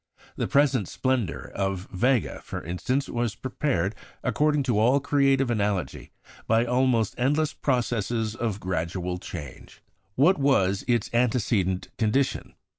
The present splendour of Vega, for instance, was prepared, according to all creative analogy, by almost endless processes of gradual change. What was its antecedent condition?